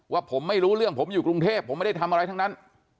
ว่าผมไม่รู้เรื่องผมอยู่กรุงเทพผมไม่ได้ทำอะไรทั้งนั้น